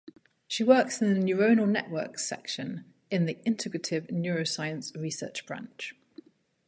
She works in the neuronal networks section in the integrative neuroscience research branch.